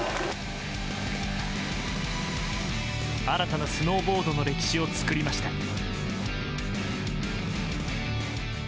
新たなスノーボードの歴史を作りました。